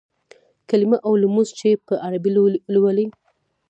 کلیمه او لمونځ چې په عربي لولې.